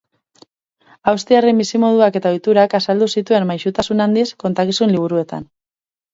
Austriarren bizimoduak eta ohiturak azaldu zituen maisutasun handiz kontakizun-liburuetan.